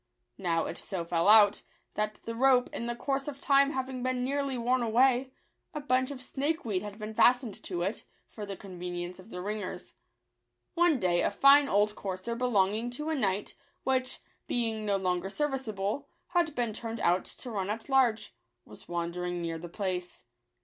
Now it so fell out, that the rope, in the course of time having been nearly worn away, a bunch of snakeweed had been fastened to it, for the con venience of the ringers. One day a fine old courser belonging to a knight, which, being no longer serviceable, had been turned out to run at large, was wandering near the place.